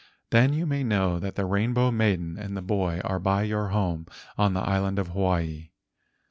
Then you may know that the Rainbow Maiden and the boy are by your home on the island of Hawaii.